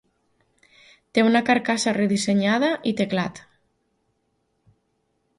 Té una carcassa redissenyada i teclat.